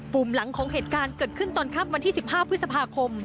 ุ่มหลังของเหตุการณ์เกิดขึ้นตอนค่ำวันที่๑๕พฤษภาคม